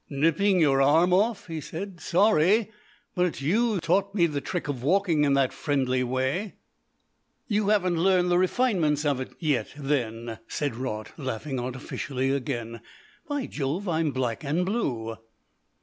"Nipping your arm off?" he said. "Sorry. But it's you taught me the trick of walking in that friendly way." "You haven't learnt the refinements of it yet then," said Raut, laughing artificially again. "By Jove! I'm black and blue."